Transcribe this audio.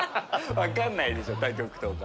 分かんないでしょ他局とか。